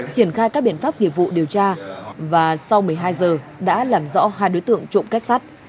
triển khai các biện pháp nghiệp vụ điều tra và sau một mươi hai giờ đã làm rõ hai đối tượng trộm cắp sắt